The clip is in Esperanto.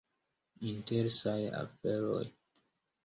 Interesaj aferoj.